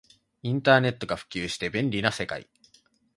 インターネットが普及して便利な世界